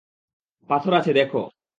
পাথর আছে দেখো।